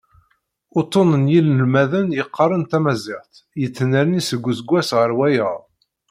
Uṭṭun n yinelmaden yeqqaren tamaziɣt, yettnerni seg useggas ɣer wayeḍ.